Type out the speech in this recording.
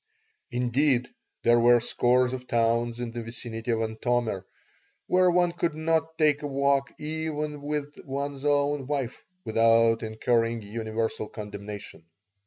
Indeed, there were scores of towns in the vicinity of Antomir where one could not take a walk even with one's own wife without incurring universal condemnation.